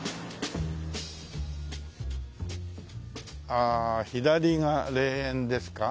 ああ左が霊園ですか。